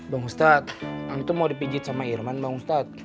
bang ustadz am itu mau dipijit sama irman bang ustadz